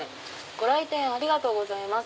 「ご来店ありがとうございます。